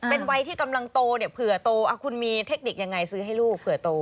เป็นวัยที่กำลังโตเนี่ยเผื่อโตคุณมีเทคนิคยังไงซื้อให้ลูกเผื่อโต